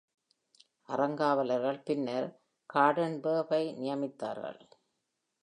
அறங்காவர்கள் பின்னர் Hardenbergh-ஐ நியமித்தார்கள்.